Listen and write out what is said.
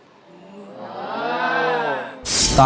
สมาชิกในครอบครัวครับ